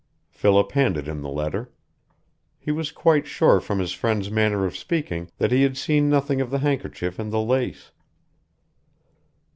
Philip handed him the letter. He was quite sure from his friend's manner of speaking that he had seen nothing of the handkerchief and the lace.